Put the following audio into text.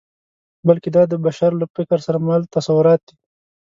بلکې دا د بشر له فکر سره مل تصورات دي.